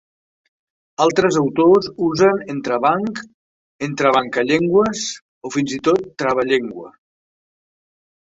Altres autors usen entrebanc, entrebancallengües o fins i tot travallengua.